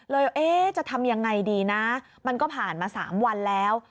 เลยเอ๊ะจะทำอย่างไรดีนะมันก็ผ่านมา๓วันแล้ว